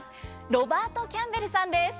ロバート・キャンベルさんです。